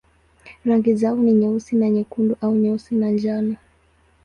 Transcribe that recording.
Rangi zao ni nyeusi na nyekundu au nyeusi na njano.